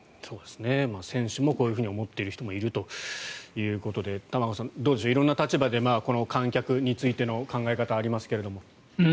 選手もこういうふうに思っている人もいるということで玉川さん、どうでしょう色んな立場で観客についての考え方はありますが。